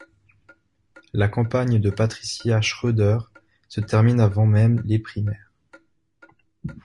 La campagne de Patricia Schroeder se termine avant même les primaires.